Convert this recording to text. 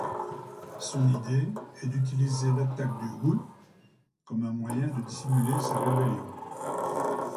Son idée est d'utiliser l'attaque du Wu comme un moyen de dissimuler sa rébellion.